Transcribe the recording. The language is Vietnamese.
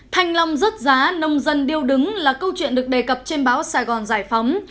thanh long rớt giá nông dân điêu đứng là câu chuyện được đề cập trên báo sài gòn giải phóng